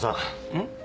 うん？